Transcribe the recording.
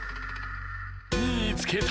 みいつけた！